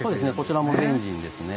こちらもベンジンですね。